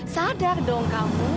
sadar dong kamu